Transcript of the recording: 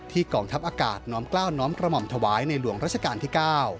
กองทัพอากาศน้อมกล้าวน้อมกระหม่อมถวายในหลวงราชการที่๙